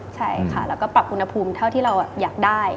ใช่ค่ะแล้วก็ปรับอุณหภูมิเท่าที่เราอยากได้